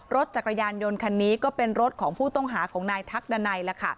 รถจักรยานยนต์คันนี้ก็เป็นรถของผู้ต้องหาของนายทักดันัย